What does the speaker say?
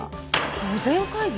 御前会議？